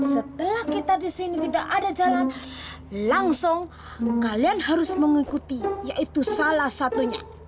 setelah kita di sini tidak ada jalan langsung kalian harus mengikuti yaitu salah satunya